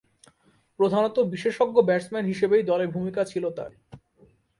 প্রধানতঃ বিশেষজ্ঞ ব্যাটসম্যান হিসেবেই দলে ভূমিকা ছিল তার।